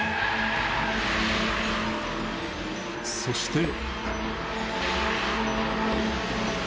そして。